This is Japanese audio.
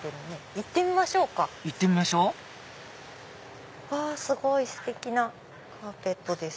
行ってみましょううわすごいステキなカーペットです。